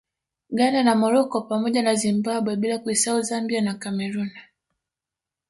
Ghana na Morocco pamoja na Zimbabwe bila kuisahau Zambia na Cameroon